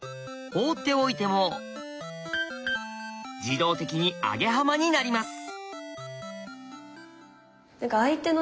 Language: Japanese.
放っておいても自動的にアゲハマになります。